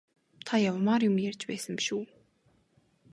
Та явмаар юм ярьж байсан биш үү?